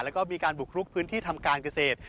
แล้วก็มีการบุกลุกพื้นที่ทำการเกษตร